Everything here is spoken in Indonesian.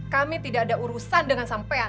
kami tidak ada urusan dengan sampean